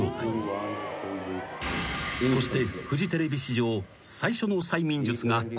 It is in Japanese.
［そして］